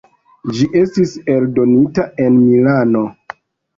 Ĝi estis eldonita en Milano.